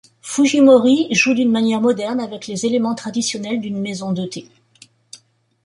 Fujimori joue d'une manière moderne avec les éléments traditionnels d'une maison de thé.